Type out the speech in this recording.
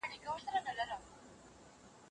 موږ دواړه د خپلو اولادونو روزونکي او پالونکي يو.